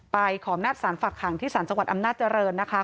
ไปขอบนัดสารฝักหังที่สารสวรรค์อำนาจเจริญนะคะ